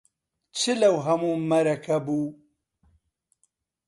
چ لەو هەموو مەرەکەب و